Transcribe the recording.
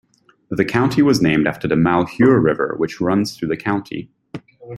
The county was named after the Malheur River, which runs through the county.